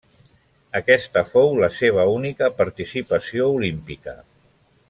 Aquesta fou la seva única participació olímpica.